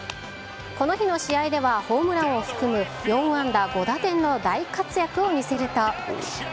この日の試合では、ホームランを含む４安打５打点の大活躍を見せると。